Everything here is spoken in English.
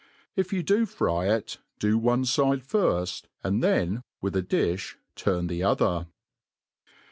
If you fry it, do one fide firft, and then with a dilh turn the other.